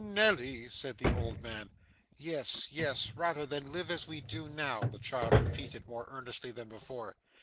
'Nelly!' said the old man. 'Yes, yes, rather than live as we do now,' the child repeated, more earnestly than before.